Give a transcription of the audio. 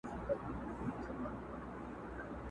د اور د پاسه اور دی سره ورک نه سو جانانه!